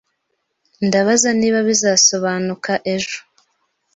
Ndabaza niba bizasobanuka ejo.